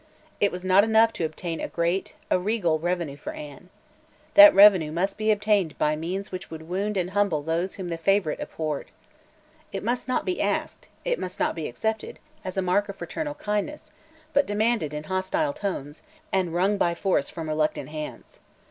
It was not enough to obtain a great, a regal, revenue for Anne. That revenue must be obtained by means which would wound and humble those whom the favourite abhorred. It must not be asked, it must not be accepted, as a mark of fraternal kindness, but demanded in hostile tones, and wrung by force from reluctant hands.